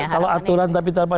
kalau aturan tapi tanpa